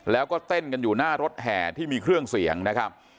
แล้วก็เต้นกันอยู่หน้ารถแห่ที่มีเครื่องเสียงนะครับ